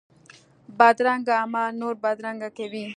بدرنګه عمل نور بدرنګه کوي